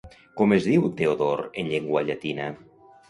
Com es diu Teodor en llengua llatina?